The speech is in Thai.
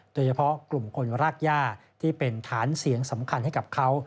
โดยเฉพาะกลุ่มคนรากย่าที่เป็นฐานเสียงสำคัญให้กับเขา